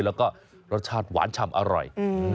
แล้วก็รสชาติหวานฉ่ำอร่อย